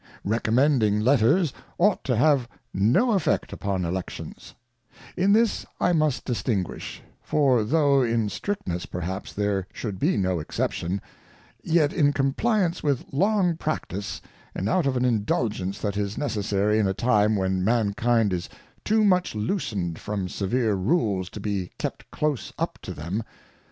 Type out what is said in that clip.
Recommending Letters ought to have no effect upon Elections, In this I must distinguish ; for tho in strictness perhaps there should be no Exception ; yet in compliance with long practice, and out of an Indulgence that is necessary in a time when Mankind is too much loosened from severe Rules to be kept close up to them.